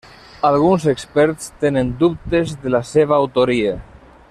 Alguns experts tenen dubtes de la seva autoria.